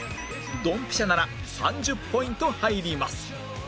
ドンピシャなら３０ポイント入ります